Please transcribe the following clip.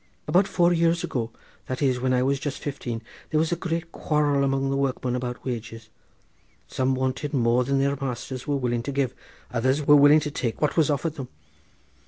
About four years ago—that is, when I was just fifteen—there was a great quarrel among the workmen about wages. Some wanted more than their masters were willing to give; others were willing to take what was offered them.